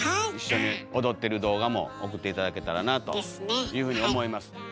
一緒に踊ってる動画も送って頂けたらなというふうに思います。